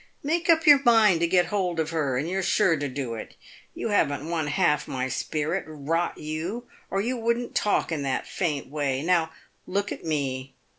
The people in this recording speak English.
Make up your mind to get hold of her, and you're sure to do it. You haven't one half my spirit, rot you, or you wouldn't talk in that faint way. Now, look at me.